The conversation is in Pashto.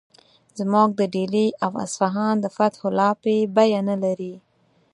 زموږ د ډیلي او اصفهان د فتحو لاپې بیه نه لري.